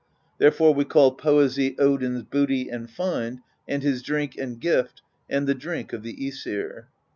Therefore we call poesy Odin's Booty and Find, and his Drink and Gift, and the Drink of the iEsir."